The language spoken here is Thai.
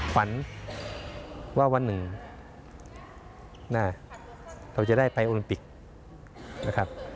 ฝันว่าวันหนึ่งหน้าเราจะได้ไปอลิมปิก